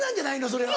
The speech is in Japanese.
それは。